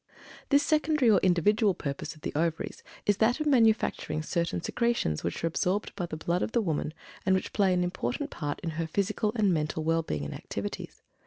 This secondary or "individual" purpose of the Ovaries is that of manufacturing certain secretions which are absorbed by the blood of the woman, and which play an important part in her physical and mental well being and activities.